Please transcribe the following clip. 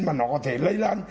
mà nó có thể lây lan